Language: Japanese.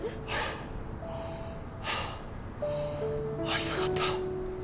会いたかった。